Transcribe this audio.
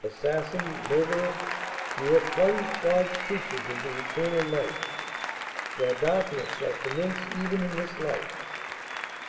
Assassin! murderer! you have plunged God's creatures into eternal night; your darkness shall commence even in this life.